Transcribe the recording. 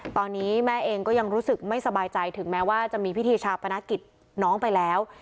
ตอนนี้แม่เองก็ยังรู้สึกไม่สบายใจถึงแม้ว่าจะมีพิธีชาปนกิจน้องไปแล้ว